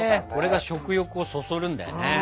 これが食欲をそそるんだよね。